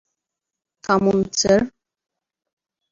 থামুন, স্যার!